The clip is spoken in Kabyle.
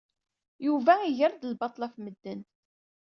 Yuba iger-d lbaṭel ɣef medden.